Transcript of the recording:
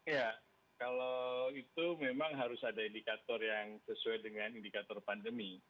ya kalau itu memang harus ada indikator yang sesuai dengan indikator pandemi